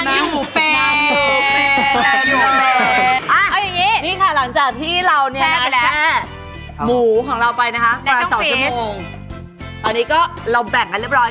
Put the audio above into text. นางอยู่แปน